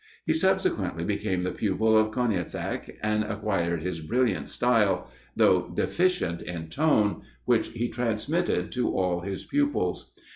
He subsequently became the pupil of Konieseck, and acquired his brilliant style, though deficient in tone, which he transmitted to all his pupils.